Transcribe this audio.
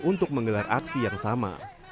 untuk menggelar aksi yang sama